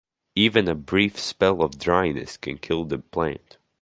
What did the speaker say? Even a brief spell of dryness can kill the plant.